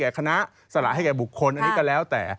อันนี้ก็แล้วแต่